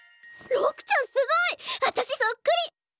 六ちゃんすごい！あたしそっくり！